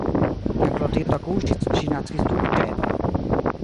Kiam Klotildo akuŝis, ŝi naskis du ĝemelojn.